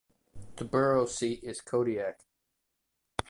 The borough seat is Kodiak.